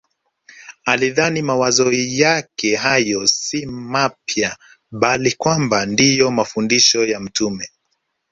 Alidhani mawazo yake hayo si mapya bali kwamba ndiyo mafundisho ya mtume